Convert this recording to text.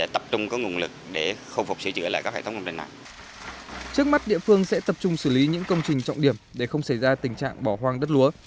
trước mắt địa phương sẽ tập trung xử lý những công trình trọng điểm để không xảy ra tình trạng bỏ hoang đất lúa